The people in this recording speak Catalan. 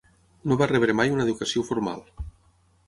No va rebre mai una educació formal.